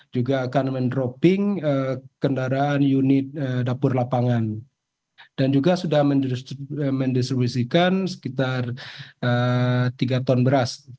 juga akan mendroping kendaraan unit dapur lapangan dan juga sudah mendistribusikan sekitar tiga ton beras